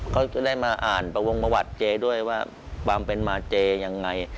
เขาจะได้มาอ่านประวงประวัติเจด้วยว่าความเป็นมาเจยังไง